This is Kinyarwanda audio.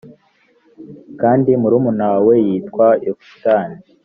kandi murumuna we yitwa yokitani